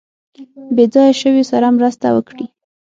بې ځایه شویو سره مرسته وکړي.